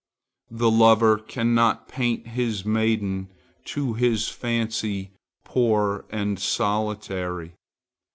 The lover cannot paint his maiden to his fancy poor and solitary.